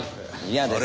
嫌です。